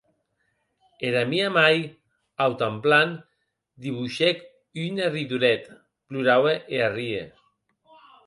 Era mia mair, autanplan diboishèc un arridolet, ploraue e arrie.